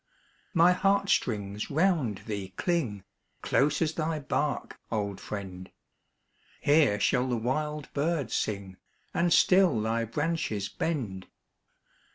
My heart strings round thee cling, Close as thy bark, old friend! Here shall the wild bird sing, And still thy branches bend.